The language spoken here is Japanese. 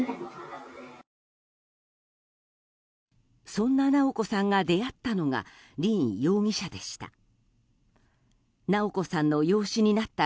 そんな直子さんが出会ったのが凜容疑者でした。